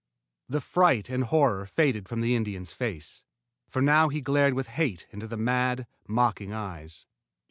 The fright and horror faded from the Indian's face, for now he glared with hate into the mad, mocking eyes.